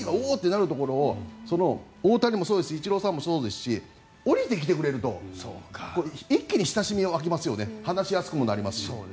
なるところを大谷もそうですしイチローさんもそうですし下りてきてくれると一気に親しみが湧きますよね話しやすくもなりますし。